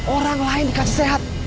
orang lain dikacau sehat